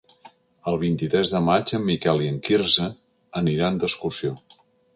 El vint-i-tres de maig en Miquel i en Quirze aniran d'excursió.